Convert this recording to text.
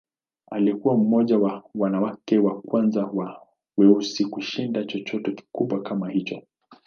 Alikuwa mmoja wa wanawake wa kwanza wa weusi kushinda chochote kikubwa kama hicho.